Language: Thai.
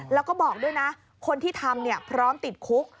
แล้วก็บอกด้วยนะคนที่ทำพร้อมติดคุก